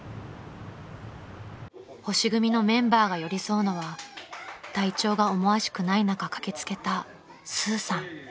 ［星組のメンバーが寄り添うのは体調が思わしくない中駆け付けたスーさん］